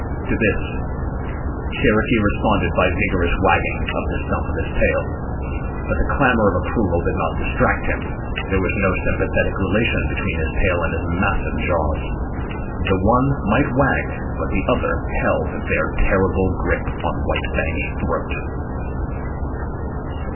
To this Cherokee responded by vigorous wagging of the stump of his tail. But the clamour of approval did not distract him. There was no sympathetic relation between his tail and his massive jaws. The one might wag, but the others held their terrible grip on White Fang's throat.